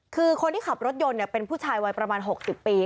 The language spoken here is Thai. คือคนที่ขับรถยนต์เป็นผู้ชายวัยประมาณ๖๐ปี